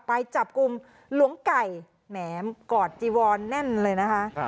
ไปจับกลุ่มหลวงไก่แหมกอดจีวอนแน่นเลยนะคะ